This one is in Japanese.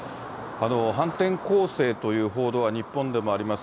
反転攻勢という報道は日本でもあります。